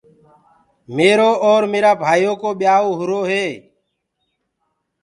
ميرو اور ميرآ ڀآئيو ڪو ٻيائوٚ هُرو هي۔